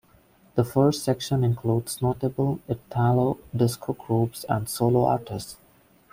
The first section includes notable Italo disco groups and solo artists.